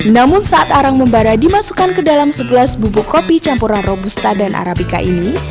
namun saat arang membara dimasukkan ke dalam sebelas bubuk kopi campuran robusta dan arabica ini